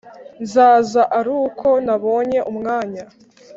Nzaza aruko nabonye umwanya